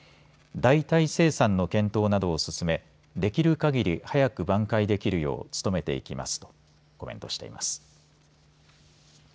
代替生産の検討などを進めできるかぎり早く挽回できるよう努めていきますとコメントしています。